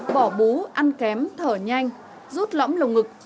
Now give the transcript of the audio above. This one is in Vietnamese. bỏ bú ăn kém thở nhanh rút lõm lồng ngực